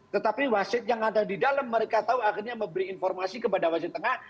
tetapi wasit yang ada di dalam mereka tahu akhirnya memberi informasi kepada wasit tengah